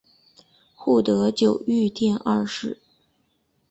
护得久御殿二世。